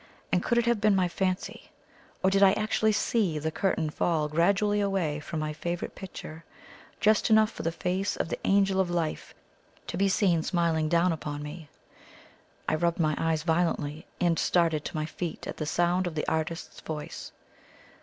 And could it have been my fancy, or did I actually SEE the curtain fall gradually away from my favourite picture, just enough for the face of the "Angel of Life" to be seen smiling down upon me? I rubbed my eyes violently, and started to my feet at the sound of the artist's voice.